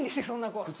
そんな子。